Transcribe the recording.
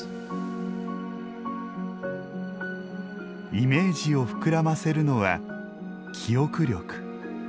イメージを膨らませるのは記憶力。